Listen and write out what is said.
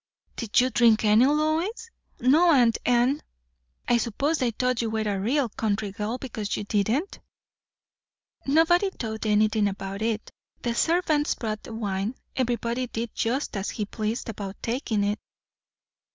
"Did you drink any, Lois?" "No, aunt Anne." "I suppose they thought you were a real country girl, because you didn't?" "Nobody thought anything about it. The servants brought the wine; everybody did just as he pleased about taking it."